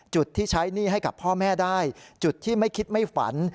จุดที่ใช้หนี้ให้กับพ่อแม่ได้จุดที่ไม่คิดไม่ฝัน